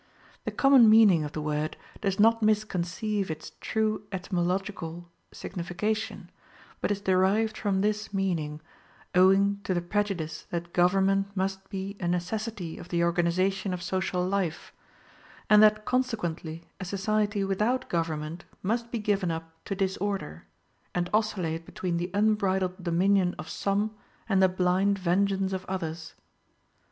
The common meaning of the word does not misconceive its true etymological signification, but is derived from this meaning, owing to the prejudice that government must be a necessity of the organization of social life; and that consequently a society without government must be given up to disorder, and oscillate between the unbridled dominion of some and the blind vengeance of others.